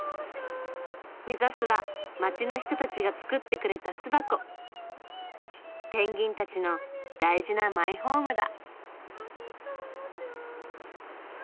目指すは街の人たちが作ってくれた巣箱ペンギンたちの大事なマイホームだ。